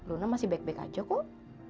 luna masih baik baik aja kok